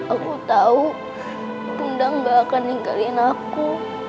aku tau bunda gak akan ninggalin aku